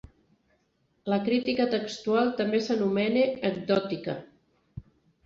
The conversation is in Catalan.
La crítica textual també s'anomena ecdòtica.